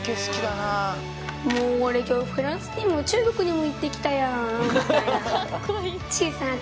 もう俺「きょうフランスにも中国にも行ってきたやん」みたいな。